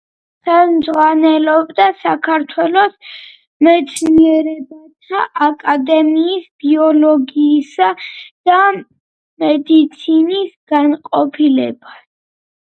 ხელმძღვანელობდა საქართველოს მეცნიერებათა აკადემიის ბიოლოგიისა და მედიცინის განყოფილებას.